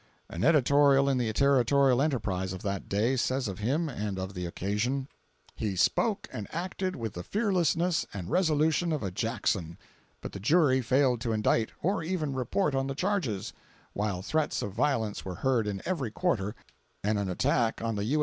An editorial in the Territorial Enterprise of that day says of him and of the occasion: "He spoke and acted with the fearlessness and resolution of a Jackson; but the jury failed to indict, or even report on the charges, while threats of violence were heard in every quarter, and an attack on the U.